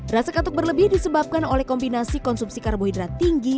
rasa katuk berlebih disebabkan oleh kombinasi konsumsi karbohidrat tinggi